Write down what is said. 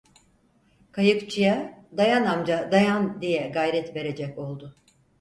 Kayıkçıya, "Dayan amca, dayan!" diye gayret verecek oldu.